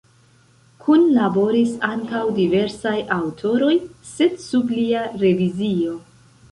Kunlaboris ankaŭ diversaj aŭtoroj, sed sub lia revizio.